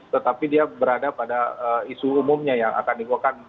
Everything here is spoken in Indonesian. tetapi dia berada pada isu umumnya yang akan dibuatkan